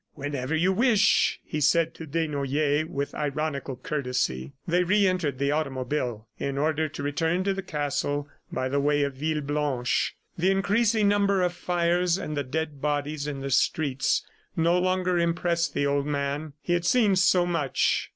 "Whenever you wish," he said to Desnoyers with ironical courtesy. They re entered the automobile in order to return to the castle by the way of Villeblanche. The increasing number of fires and the dead bodies in the streets no longer impressed the old man. He had seen so much!